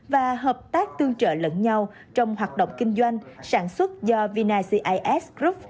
và hợp tác tương trợ lẫn nhau trong hoạt động kinh doanh sản xuất do vinacas group